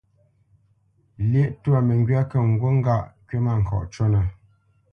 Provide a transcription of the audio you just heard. Lyéʼ twâ məŋgywá kə̂ ŋgût ŋgâʼ kywítmâŋkɔʼ cúnə̄.